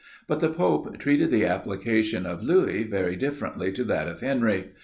But the pope treated the application of Louis, very differently to that of Henry.